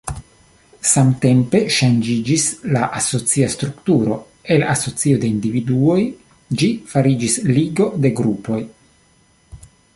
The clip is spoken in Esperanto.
Samtempe ŝanĝiĝis la asocia strukturo: el asocio de individuoj ĝi fariĝis ligo de grupoj.